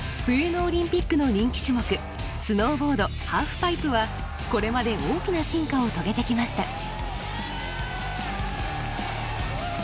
冬のオリンピックの人気種目スノーボードハーフパイプはこれまで大きな進化を遂げてきました。